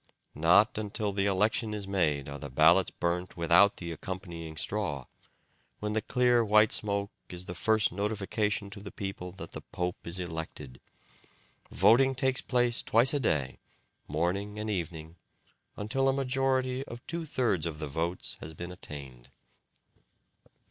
Not until the election is made are the ballots burnt without the accompanying straw, when the clear white smoke is the first notification to the people that the pope is elected. Voting takes place twice a day, morning and evening, until a majority of two thirds of the votes has been attained.